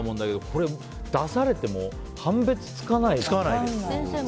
これを出されても判別がつかないですよね。